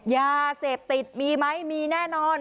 ยาเสพติดมี่มัยมี่แน่นอน